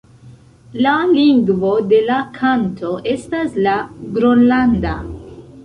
La lingvo de la kanto estas la gronlanda.